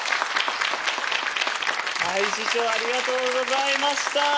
はい師匠ありがとうございました。